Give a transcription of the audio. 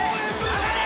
上がれ。